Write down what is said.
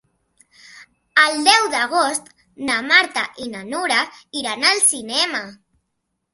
El deu d'agost na Marta i na Nura iran al cinema.